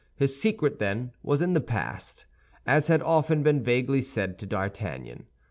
His secret, then, was in the past, as had often been vaguely said to D'Artagnan.